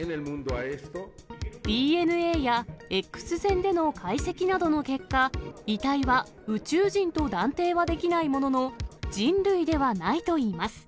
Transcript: ＤＮＡやＸ線での解析などの結果、遺体は宇宙人と断定はできないものの、人類ではないといいます。